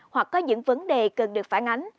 hoặc có những vấn đề cần được phản ánh